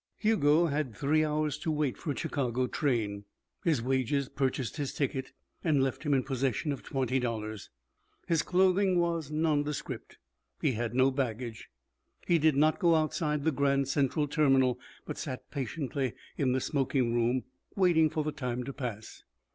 XX Hugo had three hours to wait for a Chicago train. His wages purchased his ticket and left him in possession of twenty dollars. His clothing was nondescript; he had no baggage. He did not go outside the Grand Central Terminal, but sat patiently in the smoking room, waiting for the time to pass.